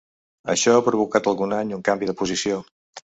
Això ha provocat algun any un canvi de posició.